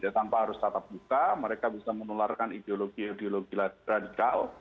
tanpa harus tatap muka mereka bisa menularkan ideologi ideologi radikal